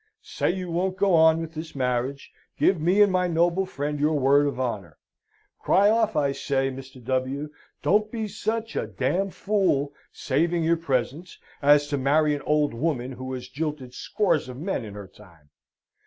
Say you won't go on with this marriage give me and my noble friend your word of honour. Cry off, I say, Mr. W.! Don't be such a d fool, saving your presence, as to marry an old woman who has jilted scores of men in her time.